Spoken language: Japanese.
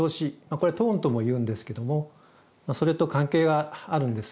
これはトーンともいうんですけどもそれと関係があるんです。